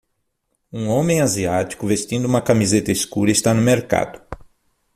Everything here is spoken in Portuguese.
Um homem asiático vestindo uma camiseta escura está no mercado.